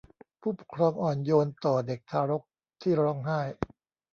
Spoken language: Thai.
ผู้ปกครองอ่อนโยนต่อเด็กทารกที่ร้องไห้